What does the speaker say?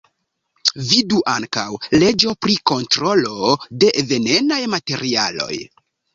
Vidu ankaŭ: leĝo pri kontrolo de venenaj materialoj.